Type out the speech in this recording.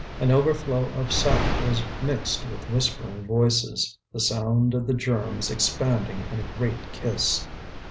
An overflow of sap was mixed with whispering voices, the sound of the germs expanding in a great kiss.